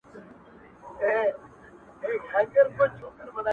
• خوار په هندوستان هم خوار وي ,